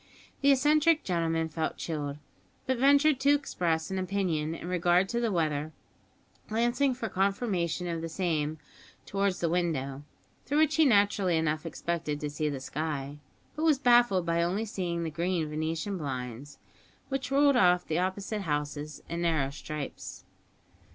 The eccentric gentleman felt chilled, but ventured to express an opinion in regard to the weather, glancing for confirmation of the same towards the window, through which he naturally enough expected to see the sky; but was baffled by only seeing the green venetian blinds, which ruled off the opposite houses in narrow stripes.